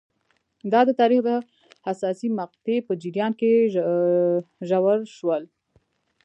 دا د تاریخ د حساسې مقطعې په جریان کې ژور شول.